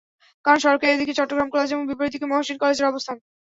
কারণ, সড়কের একদিকে চট্টগ্রাম কলেজ এবং বিপরীত দিকে মহসীন কলেজের অবস্থান।